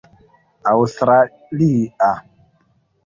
aŭstralia